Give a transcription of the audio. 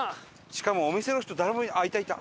しかもお店の人誰もあっいたいた！